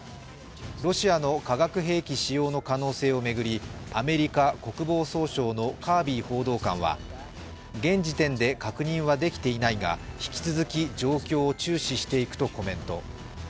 ロシアの化学兵器使用の可能性を巡りアメリカ国防総省のカービー報道官は現時点で確認はできていないが引き続き状況を注視していくとコメント。